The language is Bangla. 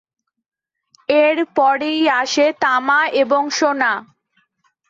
এর পরেই আসে তামা এবং সোনা।